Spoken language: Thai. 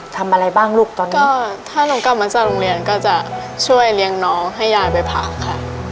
ทำอะไรบ้างลูกตอนนี้ก็ถ้าหนูกลับมาจากโรงเรียนก็จะช่วยเลี้ยงน้องให้ยายไปผ่าค่ะ